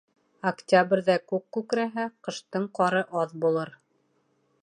Октябрҙә күк күкрәһә, ҡыштың ҡары аҙ булыр.